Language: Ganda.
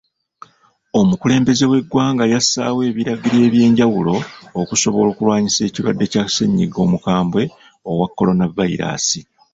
Omukulemelembeze w'eggwnga yassaawo ebiragiro eby'enjawulo okusobola okulwanyisa ekirwadde kya ssenyiga omukambwe owa coronavirus.